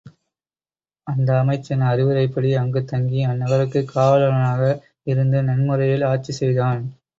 அந்த அமைச்சன் அறிவுரைப்படி அங்கு தங்கி அந்நகருக்குக் காவலனாக இருந்து நன்முறையில் ஆட்சி செய்தான்.